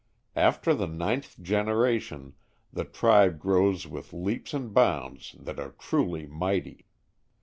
After the ninth generation the tribe grows with leaps and bounds that are truly mighty.